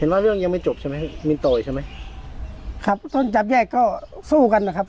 ว่าเรื่องยังไม่จบใช่ไหมมินโตอีกใช่ไหมครับต้นจับแยกก็สู้กันนะครับ